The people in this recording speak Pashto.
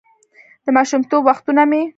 «د ماشومتوب وختونه مې: